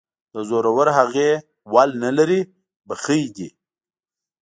د زورورهغې ول نه لري ،بخۍ دى.